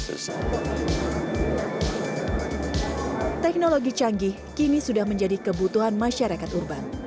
teknologi canggih kini sudah menjadi kebutuhan masyarakat urban